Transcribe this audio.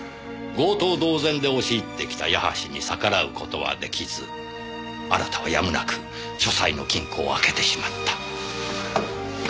強盗同然で押し入ってきた矢橋に逆らう事は出来ずあなたはやむなく書斎の金庫を開けてしまった。